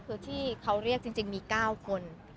คือที่เขาเรียกจริงมี๙คน